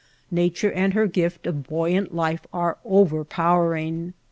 Nature and her gift of buoyant life are overpowering.